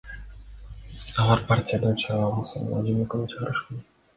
Анда партиядан шайлоого Сооронбай Жээнбековду чыгарышкан.